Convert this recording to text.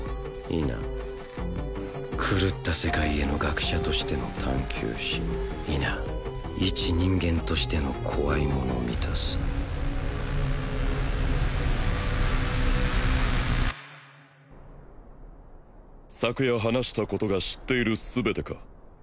否狂った世界への学者としての探究心否いち人間としての怖いもの見たさ昨夜話したことが知っている全てか？